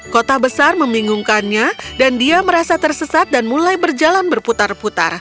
kota besar membingungkannya dan dia merasa tersesat dan mulai berjalan berputar putar